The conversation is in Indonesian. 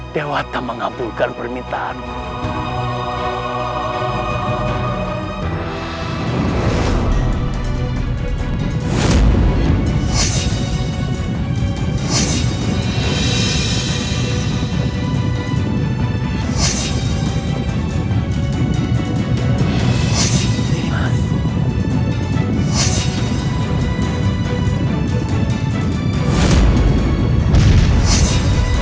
dewa tak mengabulkan permintaanmu